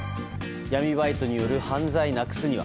闇バイトによる犯罪なくすには。